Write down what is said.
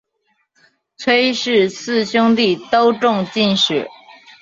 崔氏四兄弟都中进士。